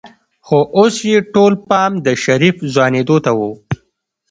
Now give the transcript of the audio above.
خو اوس يې ټول پام د شريف ځوانېدو ته و.